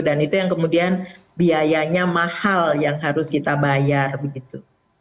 itu yang kemudian biayanya mahal yang harus kita bayar begitu